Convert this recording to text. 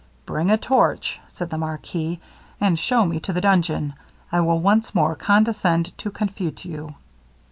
'Bring a torch,' said the marquis, 'and shew me to the dungeon. I will once more condescend to confute you.'